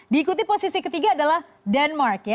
diikuti posisi ketiga adalah denmark